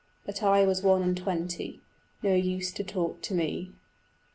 But I was one and twenty, No use to talk to me.